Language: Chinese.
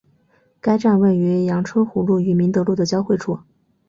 该站位于杨春湖路与明德路的交汇处。